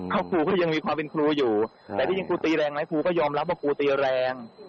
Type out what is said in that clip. เขาครูก็ยังมีความเป็นครูอยู่แต่ที่จริงครูตีแรงไหมครูก็ยอมรับว่าครูตีแรง